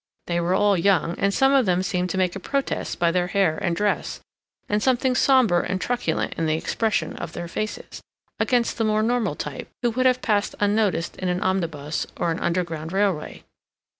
They were all young and some of them seemed to make a protest by their hair and dress, and something somber and truculent in the expression of their faces, against the more normal type, who would have passed unnoticed in an omnibus or an underground railway.